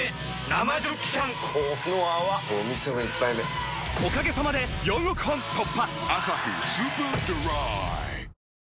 生ジョッキ缶この泡これお店の一杯目おかげさまで４億本突破！